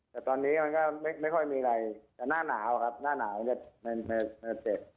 แต่ตอนนี้มันก็ไม่ค่อยมีอะไรแต่หน้าหนาวครับหน้าหนาวเนี่ยเจ็บ